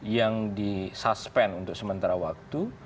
yang disuspend untuk sementara waktu